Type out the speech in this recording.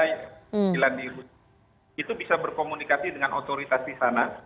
itu bisa berkomunikasi dengan otoritas di sana